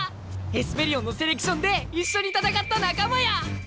エスペリオンのセレクションで一緒に戦った仲間や！